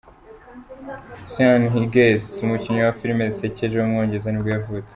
Sean Hughes, umukinnyi wa filime zisekeje w’umwongereza nibwo yavutse.